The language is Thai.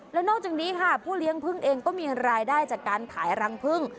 แล้วนอกจากนี้ค่ะผู้เลี้ยงพึ่งเองก็มีรายได้จากการขายรังพึ่ง